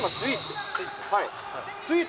スイーツ。